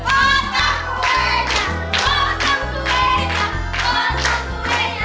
potong kuenya potong kuenya potong kuenya sekarang juga sekarang juga